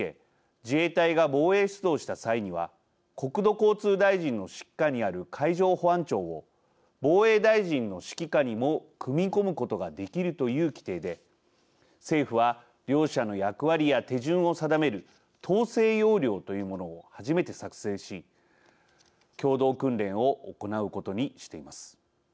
自衛隊が防衛出動した際には国土交通大臣の指揮下にある海上保安庁を防衛大臣の指揮下にも組み込むことができるという規定で、政府は両者の役割や手順を定める統制要領というものを初めて作成し共同訓練を行うことにしています。